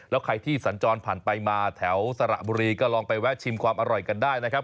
แล้วใครที่สัญจรผ่านไปมาแถวสระบุรีก็ลองไปแวะชิมความอร่อยกันได้นะครับ